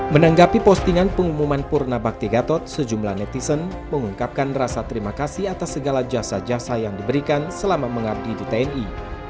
menanggapi postingan pengumuman purna bakti gatot sejumlah netizen mengungkapkan rasa terima kasih atas segala jasa jasa yang diberikan selama mengabdi di tni